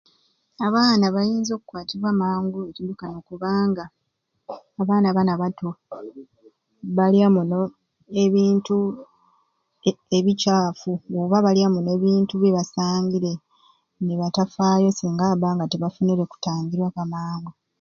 Abaana bainza okukwatibwa amangu ekidukano kubanga abaana bani abato balya muno ebintu e ebicaafu oba balya muno ebintu byebasangire nibatafaayo singa babba nga tibafunure kutangira kwa mangu.